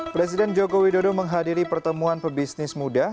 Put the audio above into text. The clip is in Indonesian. presiden joko widodo menghadiri pertemuan pebisnis muda